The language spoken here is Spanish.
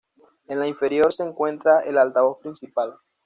En la inferior se encuentra el altavoz principal.